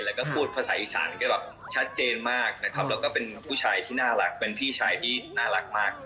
แล้วก็พูดภาษาอีสานก็แบบชัดเจนมากนะครับแล้วก็เป็นผู้ชายที่น่ารักเป็นพี่ชายที่น่ารักมาก